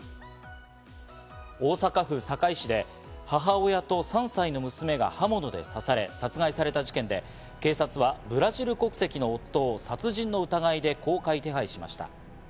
大阪府堺市で母親と３歳の娘が刃物で刺され殺害された事件で、警察はブラジル国籍の夫を殺人の疑いで公開手配しました。